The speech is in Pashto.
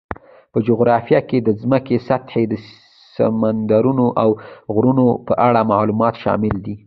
په جغرافیه کې د ځمکې سطحې، سمندرونو، او غرونو په اړه معلومات شامل دي.